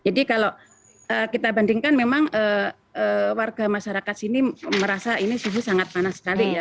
jadi kalau kita bandingkan memang warga masyarakat sini merasa ini suhu sangat panas sekali ya